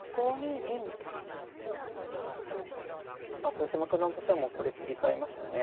豊島九段としてもこれ切り替えましたね。